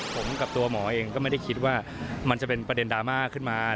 ผมกับตัวหมอเองก็ไม่ได้คิดว่ามันจะเป็นประเด็นดราม่าขึ้นมา